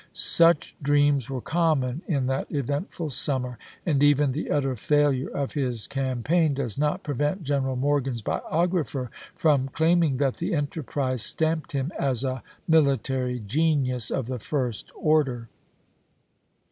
Such 1863. dreams were common in that eventful summer, and even the utter failure of his campaign does not prevent General Morgan's biographer from claim ing that the enterprise stamped him as a military genius of the first order.